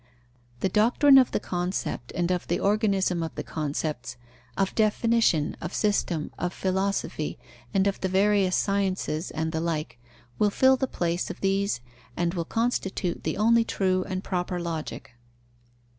The doctrine of the concept and of the organism of the concepts, of definition, of system, of philosophy, and of the various sciences, and the like, will fill the place of these and will constitute the only true and proper Logic.